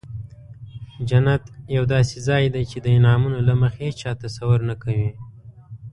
جنت یو داسې ځای دی چې د انعامونو له مخې هیچا تصور نه کوي.